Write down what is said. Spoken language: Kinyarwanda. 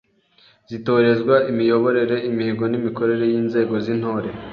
zitorezwa, imiyoborere, imihigo n’ imikorere y’inzego z’Intore :